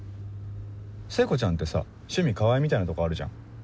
聖子ちゃんってさ「趣味川合」みたいなとこあるじゃん。